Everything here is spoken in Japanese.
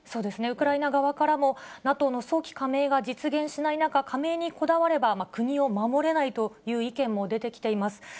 ウクライナ側からも、ＮＡＴＯの早期加盟が実現しない中、加盟にこだわれば、国を守れないという意見も出てきています。